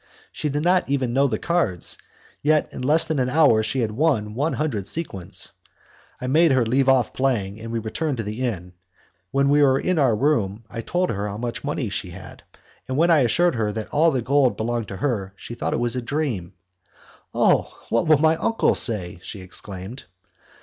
She did not even know the cards, yet in less than an hour she had won one hundred sequins. I made her leave off playing, and we returned to the inn. When we were in our room, I told her to see how much money she had, and when I assured her that all that gold belonged to her, she thought it was a dream. "Oh! what will my uncle say?" she exclaimed.